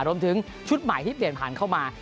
รวมถึงชุดใหม่ที่เปลี่ยนผ่านเข้ามา